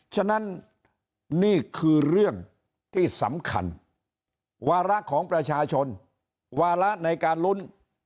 ฉะนั้นนี่คือเรื่องที่สำคัญวาระของประชาชนวาระในการลุ้น